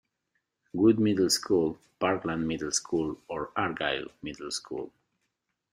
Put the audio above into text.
Wood Middle School, Parkland Middle School, or Argyle Middle School.